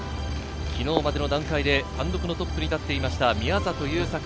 昨日までの段階で単独のトップに立っていました、宮里優作。